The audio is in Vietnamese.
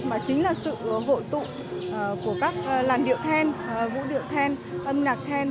mà chính là sự hội tụ của các làn điệu thèn vũ điệu thèn âm nhạc thèn